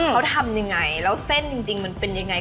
เขาทำยังไงแล้วเส้นจริงมันเป็นยังไง